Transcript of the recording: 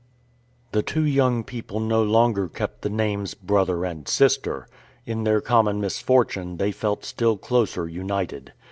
The two young people no longer kept the names "brother" and "sister." In their common misfortune, they felt still closer united.